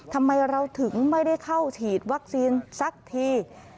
ทำไมเราถึงไม่ได้เข้าฉีดวัคซีนสักที